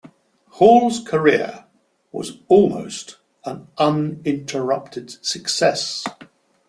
Hall's career was almost an uninterrupted success.